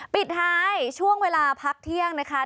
ปิดท้ายช่วงเวลาพักเที่ยงนะคะ